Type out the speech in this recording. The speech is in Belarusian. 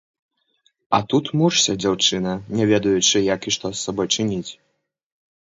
А тут мучся, дзяўчына, не ведаючы, як і што з сабой чыніць!